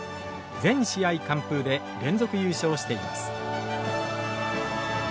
全試合完封で連続優勝しています。